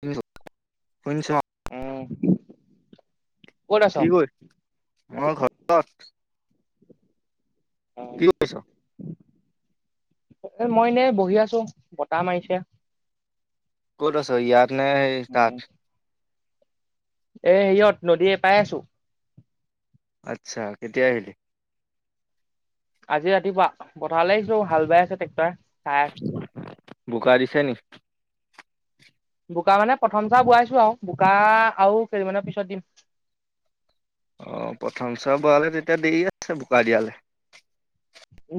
শুনিছোঁ শুনিছোঁ অ উম ক'ত আছ? কি কৈ মই ঘৰত কি কৰিছ এ মই এনেই বহি আছো বতাহ মাৰিছে ক'ত আছ ইয়াত নাই সেই উম, তাত এ সিহঁত নদীয়ে এপাৰে আছো আচ্ছা কেতিয়া আহিলি আজি ৰাতিপুৱা পথাৰলৈ আহিছো হাল বাই আছে ট্ৰেক্টৰে চাই আছো। বুকা দিছে নি বোকা মানে প্ৰথম চাহ বোৱাইছো আও বোকা আও কেইদিনমান মানৰ পিছত দিম অ প্ৰথম চোৱা বোৱালে তেতিয়া দেৰি আছে বোকা দিয়ালে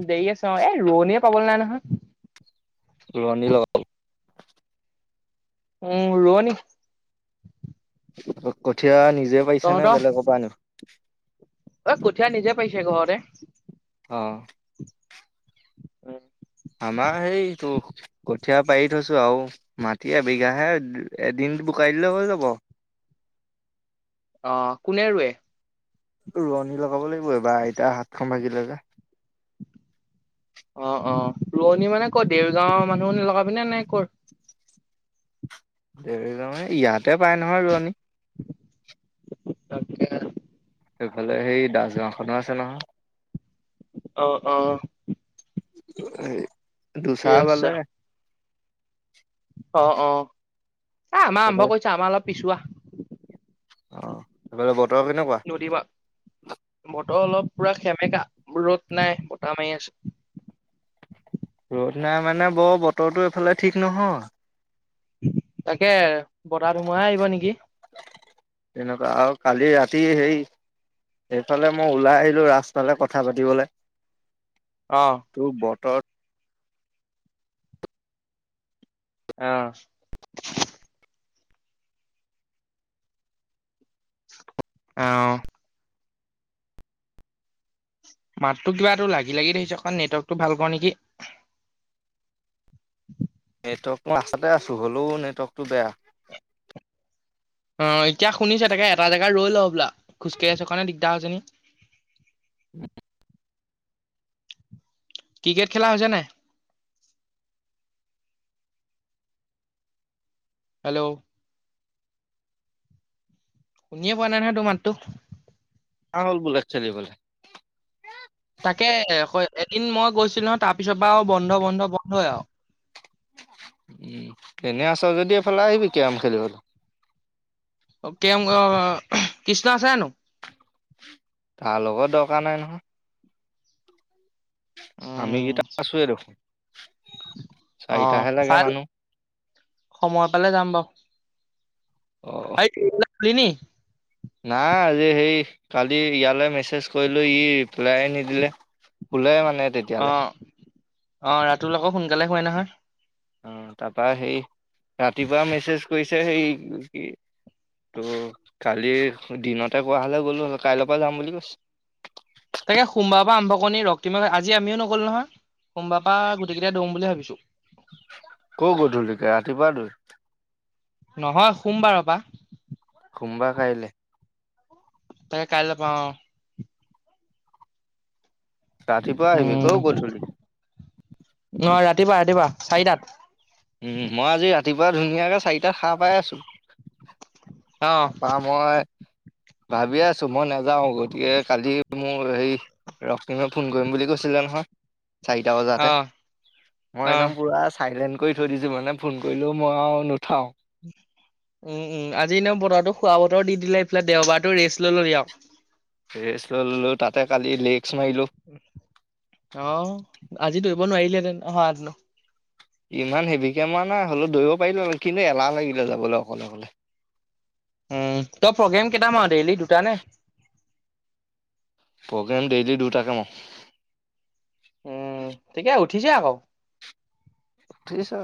দেৰি আছো অ এ ৰোৱনীয়ে পাবলৈ নাই নহয় ৰোৱনী লগাব উম ৰোৱনী কঠীয়া নিজে পাইছা নে বেলেগৰ পৰা আনো ঐ কঠীয়া নিজে পাৰিছে ঘৰতে অ উম আমাৰ সেইটো কঠীয়া পাৰি থৈছো আও মাটি এবিঘা হে এদিন বোকাই দিলে হৈ যাব অ কোনে ৰুৱে ৰোৱনী লগাব লাগিব এইবাৰ আইতা হাতখন ভাগিলে যে অ অ ৰোৱনী মানে কৰ দেৰগাঁৱৰ মানুহ লগাবি নে নে কৌৰ দেৰি যনে ইয়াতে পাই নহয় ৰোৱনী তই কেতিয়া কে যাবি। সেইফালে সেই দাস গাওঁ খনো আছে নহয়। অহ' অহ' হেই দুসাহ আছে বালে অ' অ' আমাৰ সেইফালে আৰম্ভ কৰিছোঁ। আমাৰ অলপ পিছুৱোৱা। অ' হেই ফালে ক'ত। নদী বাক বতৰ অলপ পুৰা সেমেকা ৰ'দ নাই বতাহ মাৰি আছে। ৰ'দ নাই মানে বৰ বতৰটো এইফালে ঠিক নহয়। তাকে, বতাহ, ধোমহাই আহিব নেকি? তেনেকুৱা আৰু কালি ৰাতি হেই সেইফালে মই ওলাই আহিলোঁ ৰাস্তালে কথা পাতিবলে। অ টোৰ বতৰ অ'। অ'। মাততো কিবা তোৰ লাগি, লাগি ধৰিছে অকণ নেটৱৰ্কটো ভাল কৰ নিকি। নেটৱৰ্ক মই ৰাস্তাতে আছোঁ, হ'লেও নেটৱৰ্কটো বেয়া। অ', এতিয়া শুনিছে, তাকে এটা জেগাই ৰৈ ল' বোলা খোজকাঢ়ি আছ কাৰণে দিগদাৰ হৈছে নি ক্ৰিকেট খেলা হৈছে নাই? হেল্ল'! শুনিয়ে পোৱা নাই নহয়, তোৰ মাতটো [unintelligible] হ'ল বোলে একচেলী বোলে। তাকে এদিন মই গৈছিলোঁ নহয়, তাৰ পিছৰ পৰা আৰু বন্ধ, বন্ধ, বন্ধই আৰু। উম, এনেই আছ যদি এইফালে আহিবি কেম খেলিবলৈ। [unintelligible] কৃষ্ণ আছে জানোঁ? তাৰলগত দৰকাৰ নাই নহয়। উম আমিকিটা আছোয়ে দেখোন, অ চাৰিটাহে লাগে চাই মানুহ। সময় পালে যাম বাৰু। অ [unintelligible] নাই আজি সেই কালি ইয়ালে মেছেজ কৰিলোঁ, ই ৰিপ্লাইয়ে নিদিলে। শুলে মানে তেতিয়ালে। অ অ', ৰাতুল আকৌ সোনকালে শুৱে নহয়। অ', তাৰপা সেই ৰাতিপুৱা মেছেজ কৰিছে, সেই কি- ত' কালি দিনতে কোৱা হ'লে গ'লো হয়, কাইলৈৰ পৰা যাম বুলি কৈছোঁ। তাকে, সোমবাৰৰ পৰা আৰম্ভ কৰোঁ নি, ৰক্তিম আজি আমিও নগলোঁ নহয়। সোমবাৰৰ পৰা গোটেইকেইটাই দৌৰো বুলি ভাবিছোঁ। ক'ৰ গধূলিকে, ৰাতিপুৱা দৌৰিম। নহয়, সোমবাৰৰ পা। সোমবাৰ কাইলে। তাকে, কাইলেপা অ'। ৰাতিপুৱা আহিবি, ক'ৰ উম গধূলি। অ ৰাতিপুৱা ৰাতিপুৱা চাৰিটাত উম, মই আজি ৰাতিপুৱা ধুনীয়াকে চাৰিটাত সাৰ পাই আছোঁ, অ তাৰপা মই ভাবিয়ে আছোঁ মই নাযাওঁ, গতিকে কালি মোৰ হেই ৰক্তিমে ফোন কৰিম বুলি কৈছিলে নহয়। চাৰিটা বজাতে, অ মই অ একদম পুৰা চাইলেণ্ট কৰি থৈ দিছোঁ মানে ফোন কৰিলেও মই আৰু নুঠাও। উম উম আজি এনেও বতৰতো শুৱা বতৰ দি দিলে এইফালে দেওবাৰতো ৰেষ্ট ললো দিয়ক। ৰেষ্ট লৈ ললো তাতে কালি লেক অহ আজি ধৰিব নোৱাৰিলেহেতেন অহাহেতেনো। ইমান হেভিকে মৰা নাই হ'লেও দৌৰিব পাৰিলো হয়, কিন্তু এলাহ লাগিলে যাবলৈ অকলে অকলে। উম তই প্ৰগ্ৰেম কেইটা মাৰ ডেইলি দুটা নে? প্ৰগ্ৰেম ডেইলি দুটা কামাও। উম ঠিকে উঠিছে আকৌ। উঠি ছা,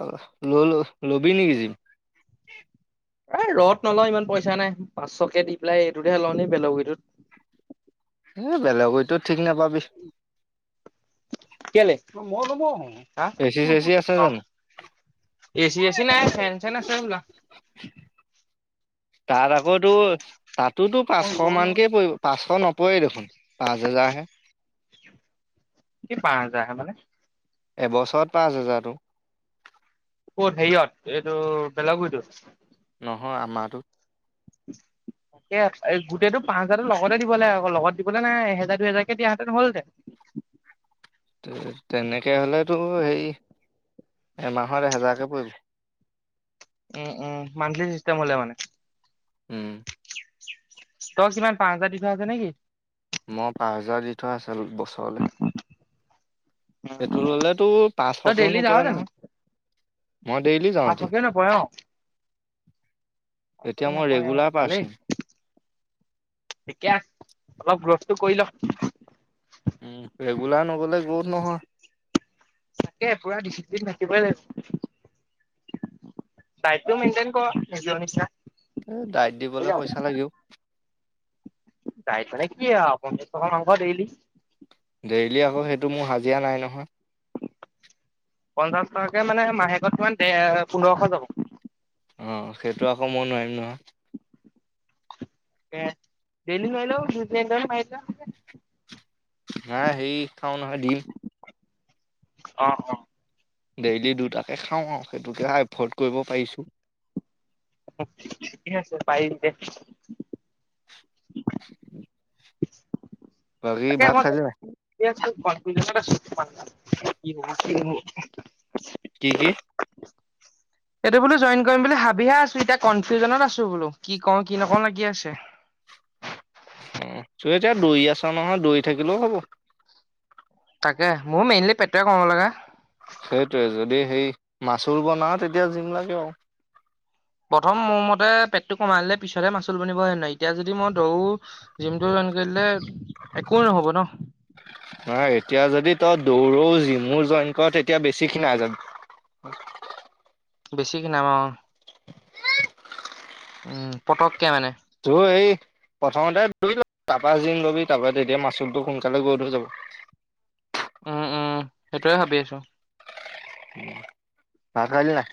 ল ল ল'বি নেকি জিপ? এই ৰদ নলওঁ ইমান পইচা নাই পাঁচশ কে দি পেলাই এইটোতহে লওঁ নি বেলগীটোত। এই বেলেগঐটোত কেলে মই নমৰো। হা, এচি চেচি আছে জানো অ'। এচি চেচি নাই ফেন -চেন আছে হবলা। তাত আকৌ তো তাতোতো পাঁচশ মানকে পৰিব পাঁচশ ন- পৰে দেখোন পাঁচ হেজাৰহে। কি পাঁচ হাজাৰ হে মানে এবছৰত পাঁচ হেজাৰতো। ক'ত হেৰিয়ত এইটো বেলগুৰিটোত? নহয় আমাৰো। [inaudible] তাকে গোটেইেতটো পাঁচ হাজাৰো লগতে দিব লাগে আকৌ লগত দিবলৈ নাই এহেজাৰ দুহেজাৰক দিয়াহেঁতেন হলহতেন। [inaudible] তেনেকে হলেতো সেই, এমাহত এহেজাৰকে পৰিব। উম উম মান্থ লি চিষ্টেম হলে মানে। উম। তই কিমান পাঁচ হাজাৰ দি থোৱা আছে নে কি? মই পাঁচ হেজাৰ দি থোৱা আছিল বছৰলে। এইটো ল'লে তো পাঁচশকেও নপৰে নহয়। মই ডেইলি যাওঁ এতিয়া পাচশকে নপৰে ন? এতিয়া পাচঁশকে মই নপৰে আৰু, ৰেগুলাৰ পাৰ্চন ভালেই। পিকে অলপ গ্ৰ'থটো কৰি ল। উম, ৰেগুলাৰ নগলে গত নহয়। তাকে পুৰা ডিচিপ্লিন ৰাখিবই লাগিব। দায়িত মেইনটেইন কৰ নিজ নিচিনা। এ ডাইট দিবলৈ পইচা লাগেও। তাইক মানে কি আৰুহ, পঞ্চাছ টকা মাংস ডেইলী। দিয়া নাই নহয়। পঞ্চাশ টকাকে মানে মাহেকে কিমান? পন্দ্ৰহখো টকা। উম, সেইটো আকৌ মই নোৱাৰিম নহয়। হেয়াৰ, ডেইলী নোৱাৰিলোঁ দুই তিনিদিন পইচা। নাই হেৰী খাওঁ নহৈ, দিম। অ' অ'। ডেইলি দুটাকে খাওঁ আৰু সেইটোকে এফৰ্ড কৰিব পাৰিছোঁ। ঠিকে আছে পাৰিবি দে। বাকী ভাত খায় লে? [unintelligible] অত আছোঁ কোৱা [unintelligible] কি কি? এইটো বোলো জইন কৰিম বুলি ভাবিহে আছো এতিয়া কনফিউজনত আছো বোলো, কি কওঁ কি নকওঁ লাগি আছে। [inaudible] হম্, তু এতিয়া দৈৰি আছ নহয় দৈৰি থাকিলেও হ'ব। তাকে মইও মেইনলি পেটু কমাব লাগে। সেইটোৱে যদি সেই মাচুৰ বনা তেতিয়া জিম লাগে আৰু। প্ৰথম মোৰ মতে পেটটো কমালিলে পিছতহে মাচুল বনিব হে নহয় এতিয়া যদি মই দৌ জিমটো লে একো নহব টোন। ন এতিয়া যদি তই দৌৰ যি মোৰ জইন কৰ তেতিয়া বেছি খিনাই যাবি। [inaudible] বেছি খিনাম অ, পটককে মানে। যো এই প্ৰথমতে ধই ল তাৰপা যিন লবি তাৰপা তেতিয়া মাচুলটো সোনকালে গৈ ধৰি যাব। উম - উম সেইটয়ে ভাবি আছো। ভাত খালী নে নাই?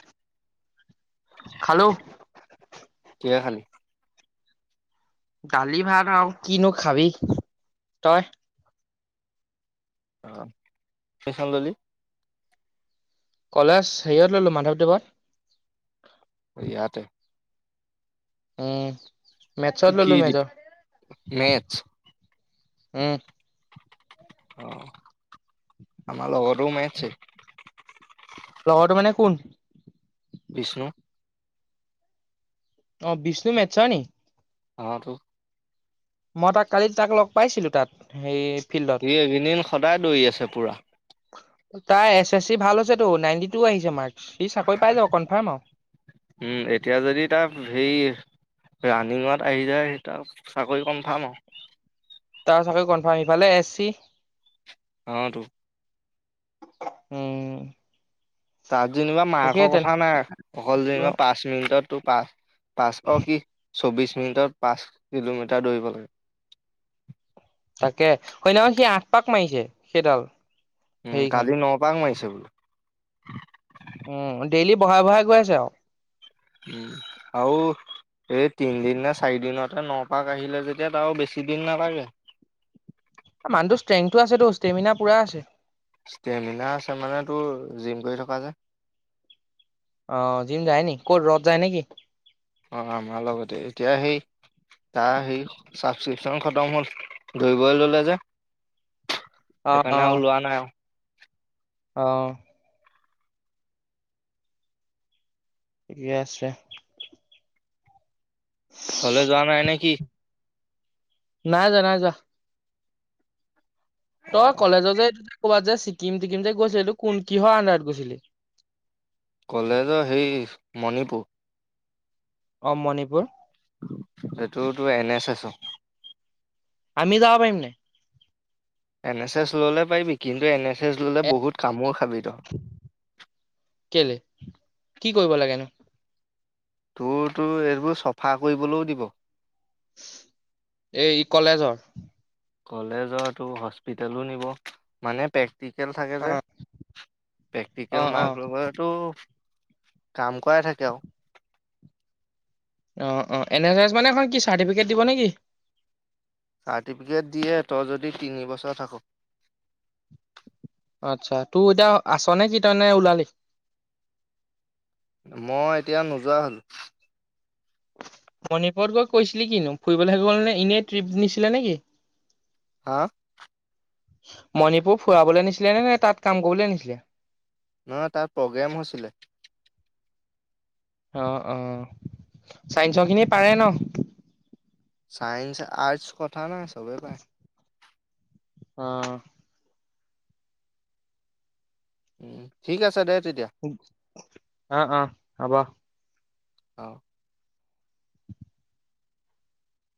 খালো। কিহে খালী? দালি ভাত, আৰু কিনো খাবি তই? অ, ফচানন্দলি। কলেজ হেৰিয়ত ললো মাধৱদেৱত। ইয়াতে উম, মেছত কি ললো মেজৰ। মেথছ উম অ, আমাৰ লগৰ তেও মঠ এ। লগৰটো মানে কোন? বিষ্ণু। অ, বিষ্ণু মেথছৰ নি? আৰু। মই তাক কালি তাক লগ পাইছিলো তাত সেই ফিল্ডত স একেইদিন সদায় দৌৰি আছে পুৰা। তাৰ এছ - এছ চি ভাল হৈছে তো নাইনটি টু আহিছে মাৰ্চ। উম, এতিয়া যদি তাৰ সেই ৰানিঙত আহি যায় তাই চাকৰি কনফাৰ্ম। তাৰ চাগে কনফাৰ্ম ইফালে এছ চি। অটো। উম, তাত যেনিবা তাকে মাৰ্কৰ কথা নাই অকল যেনিবা তেনে পাঁচ মিনিটত তোৰ পাচ পাচ সি চৌবিশ মিনিটত পাচ কিলোমিটাৰ দৌৰিব লাগে। তাকে হয়নাহয় সি আঠ পাক মাৰিছে সেইডাল উম, হেৰিখন কালি নপাক মাৰিছে বোলো। উম, ডেইলি ব়াই বঢ়াই গৈ আছে আৰু। উম আৰু তাতে নপাক আহিলে যেতিয়া তাৰো বেছি দিন নালাগে। মানুহৰ ষ্ট্ৰেংটো আছে তো ষ্টেমিনা পুৰা আছে। ষ্টেমিনা আছে মানে তোৰ জিম কৰি থকা যে অ, জিম যায় নি ক'ত ৰদ যায় নেকি? অ, আমাৰ লগতে এতিয়া সেই তাৰ সেই ছাবস্ক্ৰিপশচন খতম হ'ল ধৰিবই ললে যে সেইকাৰণে অ, উলোৱা নাই। অ', ঠিকে আছে। কলে যোৱা নাই নেকি? নাই যোৱা নাই য অ তই কলেজৰ যে এই ক'বাত যে ছিকিম টিকিম যে গৈছিলো কোন কিহৰ আন্ধাৰত গৈছিলি। [unintelligible] কলেজ সেই মণিপুৰ অ', মণিপুৰ। এইটো তোৰ এ নে চেচৰ আমি যাব পাৰিম নাই? এ নে চেচ ল'লে পাৰিবি, কিন্তু এ নে [unintelligible] ল'লে এ বহুত কামোৰ খাবি কেলে তই। কি কৰিব লাগেনো? তোৰ, তোৰ এইবোৰ চফা কৰিবলৈও দিব। এই কলেজৰ কলেজৰ তোৰ হস্পিতেলো নিব, মানে পেক প্ৰেক্টিকেল থাকে অ যে, অ প্ৰেক্টিকেল অ মাৰ্কৰ লগতো কাম কৰাই থাকে আও। অ অ এন এছ এছ মানে এখন কি চাৰ্টিফিকেট দিব নেকি? চাৰৰ্টিফিকেট দিয়ে তই যদি তিনিবছৰ থাক। আত্চ্ছা তোৰ এতিয়া আছ নে কি তই ওলালি? মই এতিয়া নোযোৱা হ'ল। মণিপুৰত গৈ কৈছিলি কিনো, ফুৰিবলহে গ'লনে এনেই ট্ৰিপ নিছিলে নেকি? হা? মণিপুৰ ফুৰাবলে নিছিলে নে নে তাত কাম কৰিবলৈ নিছিলে। নহয় নহয় তাত প্ৰগ্ৰেম হৈছিলে। অ অ চাইন্সৰ খিনি পাৰে ন। চাইন্স আৰ্টচ কথা নাই চবে পাই। অ। উ ঠিক আছে দে। তেতিয়া অ অ হ'ব। অহ।